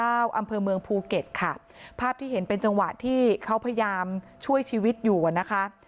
อำเภอเมืองภูเก็ตค่ะภาพที่เห็นเป็นจังหวะที่เขาพยายามช่วยชีวิตอยู่อ่ะนะคะ